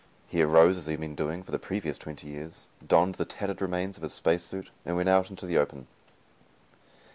He arose, as he had been doing for the previous twenty years, donned the tattered remnants of his space suit, and went out into the open.